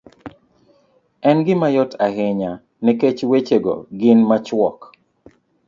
En gima yot ahinya nikech weche go gin machuok.